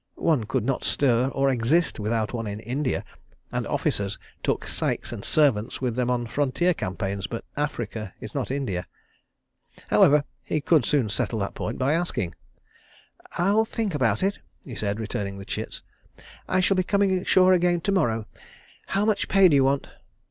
One could not stir, or exist, without one in India, and officers took syces and servants with them on frontier campaigns—but Africa is not India. ... However, he could soon settle that point by asking. "I'll think about it," he said, returning the chits. "I shall be coming ashore again to morrow. ... How much pay do you want?"